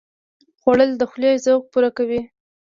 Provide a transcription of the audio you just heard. خوړل د خولې ذوق پوره کوي